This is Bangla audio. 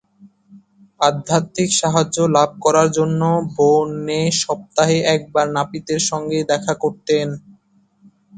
আধ্যাত্মিক সাহায্য লাভ করার জন্য বোন নে সপ্তাহে একবার নাপিতের সঙ্গে দেখা করতেন।